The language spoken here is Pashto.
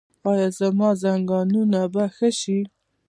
ایا زما زنګونونه به ښه شي؟